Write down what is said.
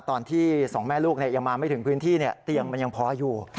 ตอนที่สองแม่ลูกยังมาไม่ถึงพื้นที่เตียงมันยังพออยู่